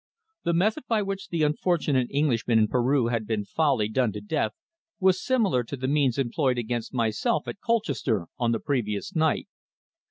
The method by which the unfortunate Englishman in Peru had been foully done to death was similar to the means employed against myself at Colchester on the previous night.